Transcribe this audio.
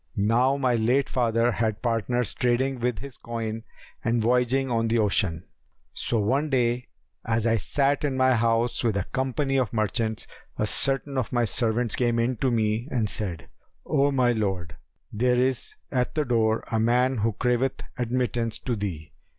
Now my late father had partners trading with his coin and voyaging on the ocean. So one day, as I sat in my house with a company of merchants, a certain of my servants came in to me and said, 'O my lord, there is at the door a man who craveth admittance to thee!'